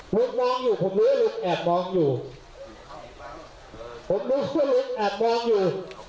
ลุกมองอยู่ผมนี้ลุกแอบมองอยู่ผมนี้ก็ลุกแอบมองอยู่